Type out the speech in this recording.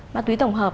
ma túy tổng hợp